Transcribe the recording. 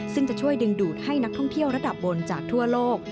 ซึ่งจะช่วยดึงดูดให้นักท่องเที่ยวระดับบนจากทั่วโลก